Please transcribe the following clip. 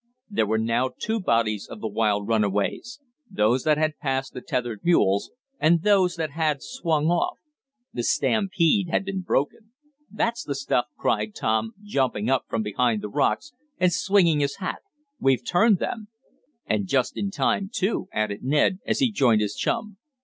There were now two bodies of the wild runaways, those that had passed the tethered mules, and those that had swung off. The stampede had been broken. "That's the stuff!" cried Tom, jumping up from behind the rocks, and swinging his hat. "We've turned them." "And just in time, too," added Ned, as he joined his chum.